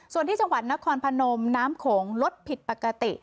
ส่วนที่จังหวัดนครพนมน้ำโขงลดผิดปกติ